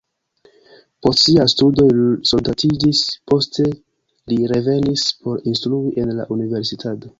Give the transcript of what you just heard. Post siaj studoj li soldatiĝis, poste li revenis por instrui en la universitato.